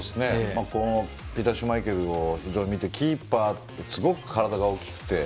ピーター・シュマイケルを見てキーパーってすごく体が大きくて。